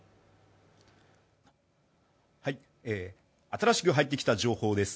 新しく入ってきた情報です。